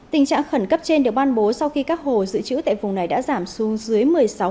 tình trạng khẩn cấp trên được ban bố sau khi các hồ dự trữ tại vùng này đã giảm xuống dưới một mươi sáu